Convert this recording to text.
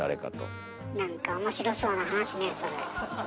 なんか面白そうな話ねそれ。